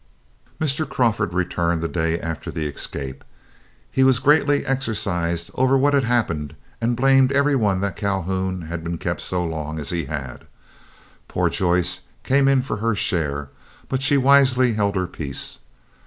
Mr. Crawford returned the day after the escape. He was greatly exercised over what had happened, and blamed every one that Calhoun had been kept so long as he had. Poor Joyce came in for her share, but she wisely held her peace.